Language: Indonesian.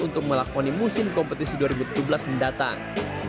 untuk melakoni musim kompetisi dua ribu tujuh belas mendatang